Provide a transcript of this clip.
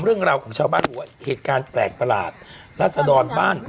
เรื่องราวของชาวบ้านบอกว่าเหตุการณ์แปลกประหลาดรัศดรบ้าน